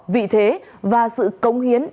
vị thế và sự công hiến